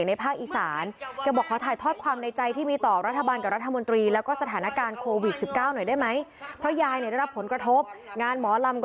งานหมอลำก็ถูกยกเลิกกลับไปอีสาน